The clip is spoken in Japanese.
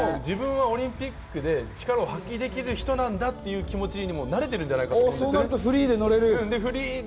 自分はオリンピックで力を発揮できる人なんだっていう気持ちになれているんじゃないかなと思うんですね。